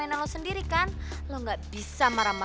agérkanlah dia bisa bersimpati